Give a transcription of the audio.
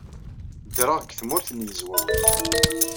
Ddreɣ deg Tmurt n Yizwawen.